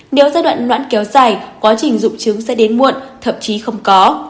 nếu giai đoạn noãn kéo dài quá trình dụng trứng sẽ đến muộn thậm chí không có